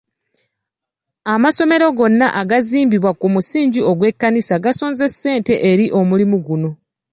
Amasomero gonna agaazimbibwa ku musingi gw'ekkanisa gaasonze ssente eri omulimu guno.